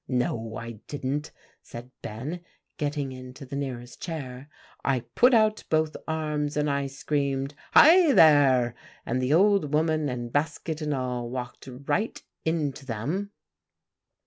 "No, I didn't," said Ben, getting into the nearest chair. "I put out both arms, and I screamed, 'Hi, there!' and the old woman and basket and all walked right into them."